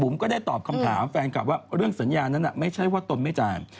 ผมก็ได้ตอบคำถามแฟนคลับว่าเรื่องสัญญานั้นไม่ใช่ว่าตนไม่จ่าย